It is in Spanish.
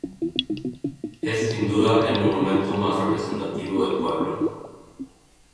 Es sin duda, el monumento más representativo del pueblo.